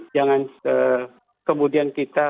jangan kemudian kita